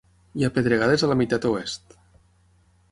Hi ha pedregades a la meitat oest.